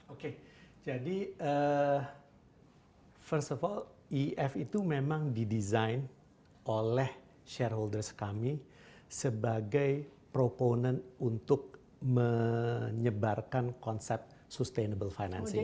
oke jadi first of all iif itu memang didesign oleh shareholders kami sebagai proponen untuk menyebarkan konsep sustainable financing ini